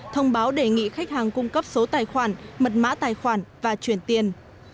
thông báo đề nghị khách hàng cung cấp số tài khoản mật mã tài khoản và chuyển tiền